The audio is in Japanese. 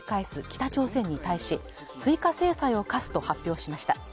北朝鮮に対し追加制裁を科すと発表しました